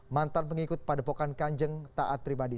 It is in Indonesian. mantan pengikut pada pohon kanjeng taat pribadi